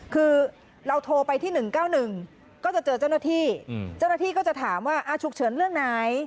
คือเราโทรไปที่๑๙๑ก็จะเจอเจ้าหน้าที่เจ้าหน้าที่ก็จะถามว่าฉุกเฉินเรื่องไหน